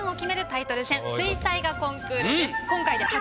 タイトル戦水彩画コンクールです。